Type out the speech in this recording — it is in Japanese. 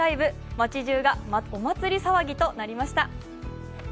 街じゅうがお祭り騒ぎとなりました。